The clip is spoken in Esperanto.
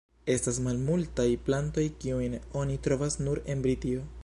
Estas malmultaj plantoj kiujn oni trovas nur en Britio.